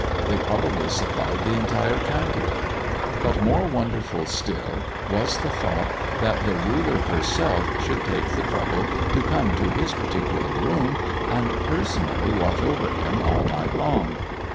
They probably supplied the entire county. But more wonderful still was the thought that the Ruler herself should take the trouble to come to his particular room and personally watch over him all night long.